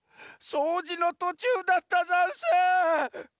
そうじのとちゅうだったざんす！